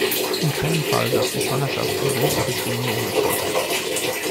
In keinem Fall darf die Schwangerschaft ein Grund zur Diskriminierung der Frau sein.